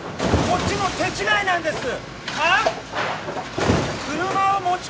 こっちも手違いなんです！